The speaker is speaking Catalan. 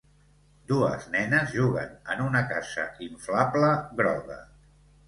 Dues nenes juguen en una casa inflable groga.